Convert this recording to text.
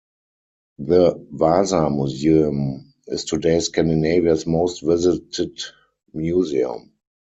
The Vasa Museum is today Scandinavia's most visited museum.